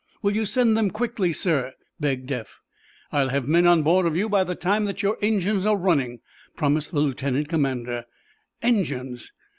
"Will you send them quickly, sir?" begged Eph. "I'll have men on board of you by the time that your engines are running," promised the lieutenant commander. "Engines?"